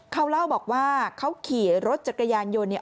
เขาเล่าบอกว่าเขาขี่รถจักรยานยนต์เนี่ย